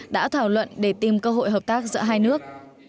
đã thảo luận để tìm cơ hội hợp tác giữa hai nước